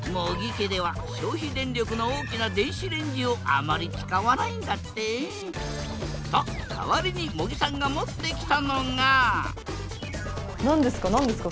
家では消費電力の大きな電子レンジをあまり使わないんだって。と代わりに茂木さんが持ってきたのが何ですか何ですか？